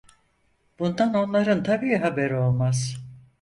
Bundan onların tabii haberi olmaz…